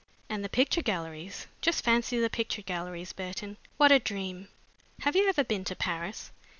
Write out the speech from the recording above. And the picture galleries just fancy the picture galleries, Burton! What a dream! Have you ever been to Paris?"